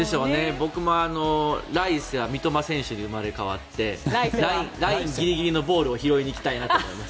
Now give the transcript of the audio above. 僕も来世は三笘選手に生まれ変わってラインぎりぎりのボールを拾いに行きたいなと思います。